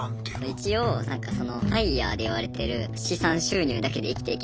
一応そのＦＩＲＥでいわれてる資産収入だけで生きていけます